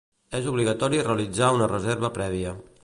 És obligatori realitzar una reserva prèvia.